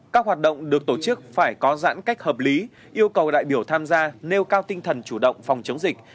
các hoạt động được tổ chức phải có giãn cách hợp lý yêu cầu đại biểu tham gia nêu cao tinh thần chủ động phòng chống dịch